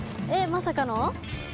まさかの？